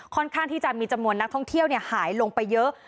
ข้างที่จะมีจำนวนนักท่องเที่ยวหายลงไปเยอะ